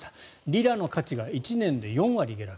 リラの価値が１年で４割下落。